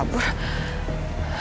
aku mau ke rumah